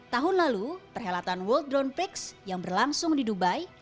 tahun lalu perhelatan world drone prix yang berlangsung di dubai